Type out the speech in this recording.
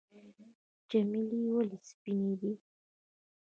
چمیلی ولې سپین دی؟